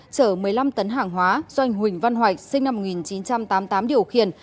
chở một mươi năm tấn hàng hóa do anh huỳnh văn hoạch sinh năm một nghìn chín trăm tám mươi tám điều khiển